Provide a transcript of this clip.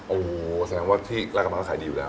โอ้โหแสดงว่าที่แรกกำลังก็ขายดีอยู่แล้ว